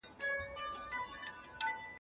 آیا کلتور تر ژبي پراخ دی؟